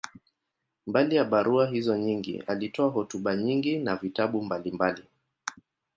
Mbali ya barua hizo nyingi, alitoa hotuba nyingi na vitabu mbalimbali.